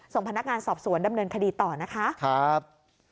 ส่งพนักงานสอบสวนดำเนินคดีต่อนะคะครับ